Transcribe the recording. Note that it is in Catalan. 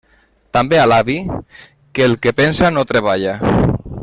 També a l'avi, que el que pensa no treballa.